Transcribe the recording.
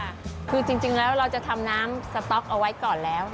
คือจริงแล้วเราจะทำน้ำสต๊อกเอาไว้ก่อนแล้ว